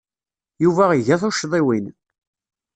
Yuba iga tuccḍiwin.